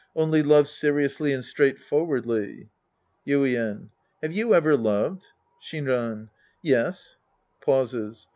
Only love seriously and straight forwardly. Yuien. Have you ever loved ? Shinran. Yes. {Pauses.)